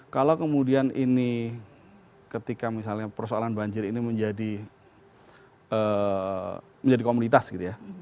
kalau kemudian ini ketika misalnya persoalan banjir ini menjadi komunitas gitu ya